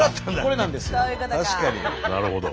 なるほど。